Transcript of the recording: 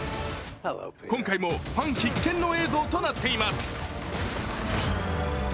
今回もファン必見の映像となっています。